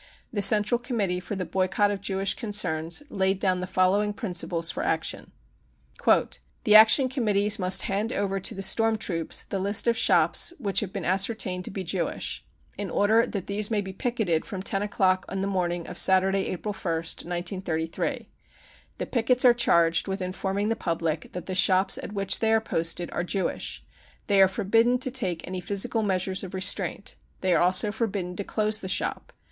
The Central Committee for the boycott of Jewish concerns laid down the following principles for action : 260 BROWN BOOK OF THE HITLER TERROR " The Action Committees must hand over to the storm troops the list of shops which have been ascertained to be Jewish, in order that these may be picketed from ten o'clock in the morning of Saturday, April ist, 1933. The pickets are charged with informing the public that the shops at which they are posted are Jewish. They are forbidden to take any physical measures of restraint. They are also forbidden to close the shop.